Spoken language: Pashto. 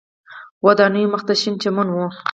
ودانیو مخ ته شین چمن و.